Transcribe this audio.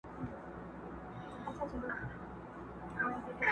هی توبه چي ورور له ورور څخه پردی سي!.